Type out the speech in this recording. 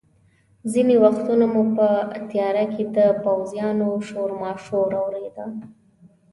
ځینې وختونه مو په تیاره کې د پوځیانو شورماشور اورېده.